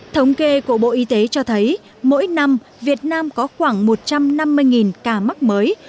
thống kê của bộ y tế cho thấy mỗi năm việt nam có khoảng một trăm năm mươi ca mắc mới